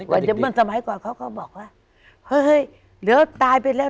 วันเดือนเมื่อสมัยก่อนเขาก็บอกว่าเฮ้ยเห้ยเหลือตายไปแล้ว